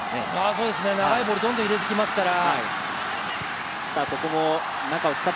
そうですね、長いボール、どんどん入れてきますから。